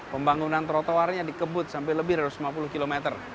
pembangunan trotoarnya dikebut sampai lebih dari lima puluh km